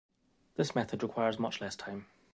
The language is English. This method requires much less time.